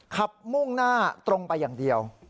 มุ่งหน้าตรงไปอย่างเดียว